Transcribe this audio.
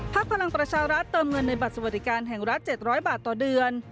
พลังประชารัฐเติมเงินในบัตรสวัสดิการแห่งรัฐ๗๐๐บาทต่อเดือน